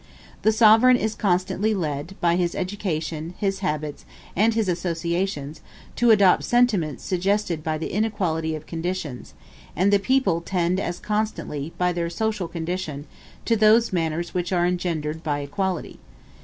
The sovereign is constantly led, by his education, his habits, and his associations, to adopt sentiments suggested by the inequality of conditions, and the people tend as constantly, by their social condition, to those manners which are engendered by equality.